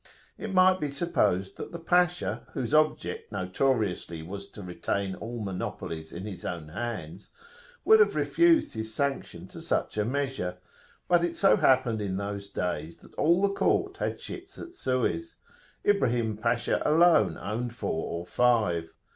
It might be supposed that the Pasha, whose object notoriously was to retain all monoplies in his own hands, would have refused his sanction to such a measure. But it so happened in those days that all the court had ships at Suez: Ibrahim Pasha alone owned four or five.